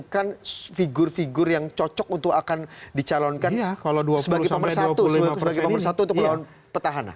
kan figur figur yang cocok untuk akan dicalonkan sebagai pemersatu untuk melawan petahana